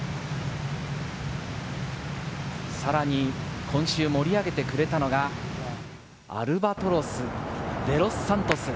さらに今週盛り上げてくれたのが、アルバトロス、デロスサントス。